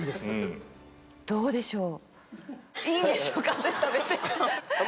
どうでしょう。